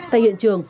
tại hiện trường